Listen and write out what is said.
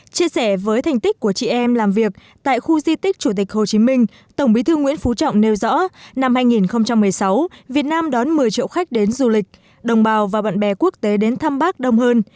chia sẻ với thành tích của chị em làm việc tại khu di tích chủ tịch hồ chí minh tổng bí thư nguyễn phú trọng nêu rõ năm hai nghìn một mươi sáu việt nam đón một mươi triệu khách đến du lịch đồng bào và bạn bè quốc tế đến thăm bác đông hơn